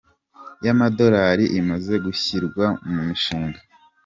y’amadolari imaze gushyirwa mu mishinga